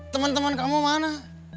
teman teman kamu mana